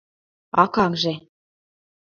А как же!